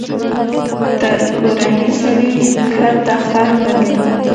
تر کورني سړي کښته خر ښه دى.